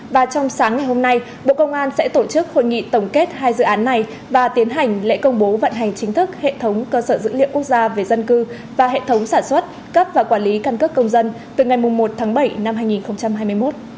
và trong sáng ngày hôm nay bộ công an sẽ tổ chức hội nghị tổng kết hai dự án này và tiến hành lễ công bố vận hành chính thức hệ thống cơ sở dữ liệu quốc gia về dân cư và hệ thống sản xuất cấp và quản lý căn cước công dân từ ngày một tháng bảy năm hai nghìn hai mươi một